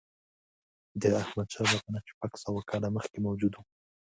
د احمدشاه بابا نه شپږ سوه کاله مخکې موجود و.